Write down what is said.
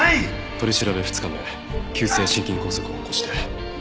取り調べ２日目急性心筋梗塞を起こして。